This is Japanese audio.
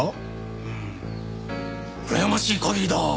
うーんうらやましい限りだ！